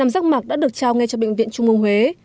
năm rác mạc đã được trao ngay cho bệnh viện trung mương huế